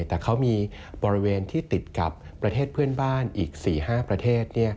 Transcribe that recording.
แต่เขามีบริเวณที่ติดกับประเทศเพื่อนบ้านอีก๔๕ประเทศ